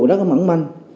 rất là mẵn manh